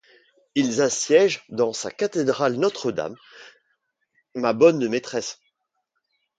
Ils assiègent dans sa cathédrale Notre-Dame, ma bonne maîtresse!